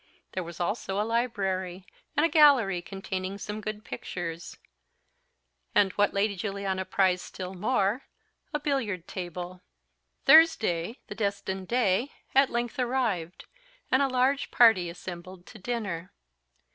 There was also a library, and a gallery, containing some good pictures, and, what Lady Juliana prized still more, a billiard table. Thursday, the destined day, at length arrived, and a large party assembled to dinner.